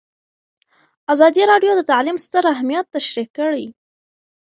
ازادي راډیو د تعلیم ستر اهميت تشریح کړی.